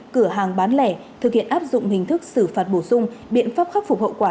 cửa hàng bán lẻ thực hiện áp dụng hình thức xử phạt bổ sung biện pháp khắc phục hậu quả